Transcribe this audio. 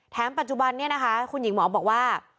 ปัจจุบันนี้นะคะคุณหญิงหมอบอกว่า